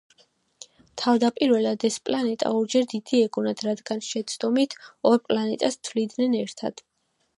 თავდაპირველად ეს პლანეტა ორჯერ დიდი ეგონათ, რადგან შეცდომით ორ პლანეტას თვლიდნენ ერთად.